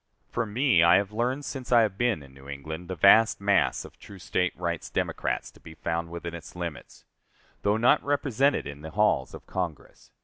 For me, I have learned since I have been in New England the vast mass of true State rights Democrats to be found within its limits though not represented in the halls of Congress.